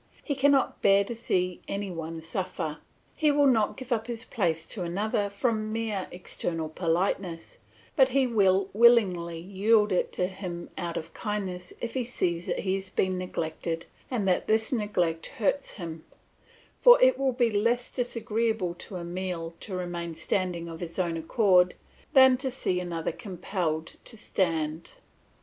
He cannot bear to see any one suffer; he will not give up his place to another from mere external politeness, but he will willingly yield it to him out of kindness if he sees that he is being neglected and that this neglect hurts him; for it will be less disagreeable to Emile to remain standing of his own accord than to see another compelled to stand.